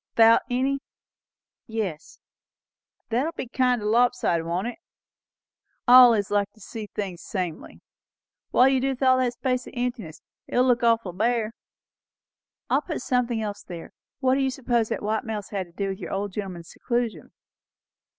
"Thout any?" "Yes." "That'll be kind o' lop sided, won't it? I allays likes to see things samely. What'll you do with all that space of emptiness? It'll look awful bare." "I will put something else there. What do you suppose the white mouse had to do with your old gentleman's seclusion?"